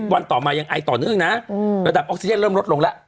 ต่อมายังไอต่อเนื่องนะระดับออกซิเจนเริ่มลดลงแล้ว